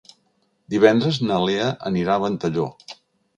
Divendres na Lea anirà a Ventalló.